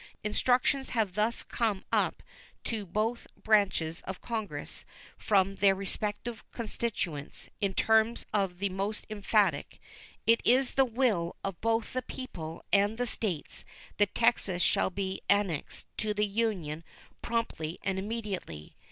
Instructions have thus come up to both branches of Congress from their respective constituents in terms the most emphatic. It is the will of both the people and the States that Texas shall be annexed to the Union promptly and immediately.